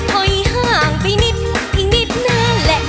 ถอยห่างไปนิดอีกนิดเนื้อแหละ